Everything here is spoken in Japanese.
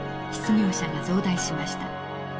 失業者が増大しました。